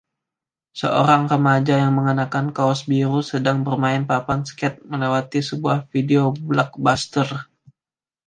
Seorang remaja yang mengenakan kaos biru sedang bermain papan skate melewati sebuah video Blockbuster